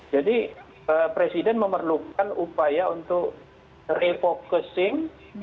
jadi presiden memerlukan upaya untuk refocusing